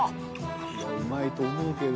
いうまいと思うけど。